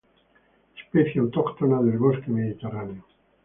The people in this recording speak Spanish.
Especie autóctona del bosque mediterráneo.